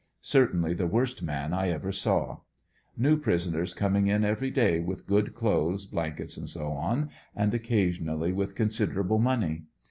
Certainly the worst man I ever saw. New prisoners coming in every day with good clothes, blankets, &c., and occasionally with considerable money.